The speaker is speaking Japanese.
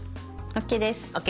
ＯＫです。